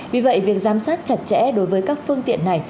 vì vậy việc giám sát chặt chẽ đối với các phương tiện này